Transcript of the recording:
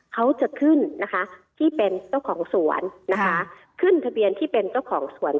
เขาจะขึ้นนะคะที่เป็นเจ้าของสวนนะคะขึ้นทะเบียนที่เป็นเจ้าของสวน